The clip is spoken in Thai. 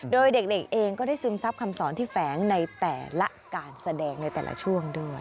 โดยเด็กเองก็ได้ซึมซับคำสอนที่แฝงในแต่ละการแสดงในแต่ละช่วงด้วย